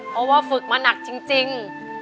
เพราะว่าฝึกมาหนักจริง